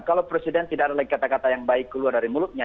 kalau presiden tidak ada lagi kata kata yang baik keluar dari mulutnya